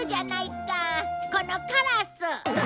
このカラス。